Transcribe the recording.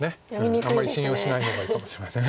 あんまり信用しない方がいいかもしれません。